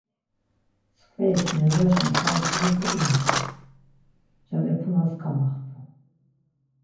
Mskverik mendraşen komdziru do imt̆u. Ncalepunas kamaxtu.